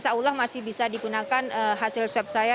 alhamdulillah masih bisa digunakan hasil swab saya